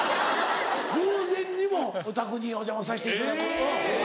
偶然にもお宅にお邪魔させていただく。